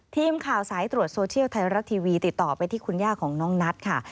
ทีมข่าวสายตรวจโซเชียลไทยรัฐทีวีติดต่อไปที่คุณย่าของน้องนัทค่ะ